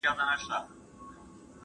زه اوږده وخت مکتب ته ځم!.